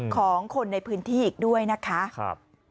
ของคนในพื้นที่อีกด้วยนะคะ